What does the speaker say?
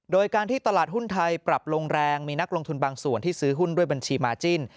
โดยการที่ตลาดหุ้นไทยปรับลงแรงมีนักลงทุนบางส่วนที่ซื้อหุ้นด้วยบัญชีมาจิ้น